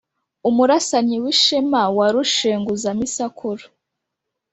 umurasanyi w' ishema wa rushenguzamisakura